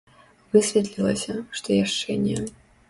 Высветлілася, што яшчэ не.